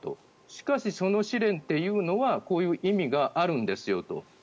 しかし、その試練というのはこういう意味があるんですよと。